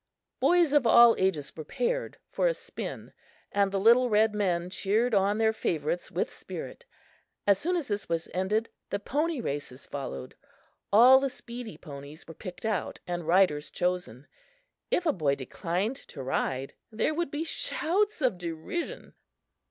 Boys of all ages were paired for a "spin," and the little red men cheered on their favorites with spirit. As soon as this was ended, the pony races followed. All the speedy ponies were picked out and riders chosen. If a boy declined to ride, there would be shouts of derision.